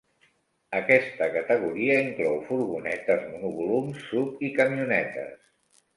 Aquesta categoria inclou furgonetes, monovolums, SUV i camionetes.